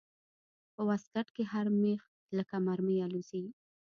په واسکټ کښې هر مېخ لکه مرمۍ الوزي.